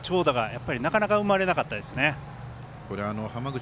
そこで、長打がなかなか生まれなかったですね。